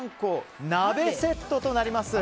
鮟鱇鍋セットとなります。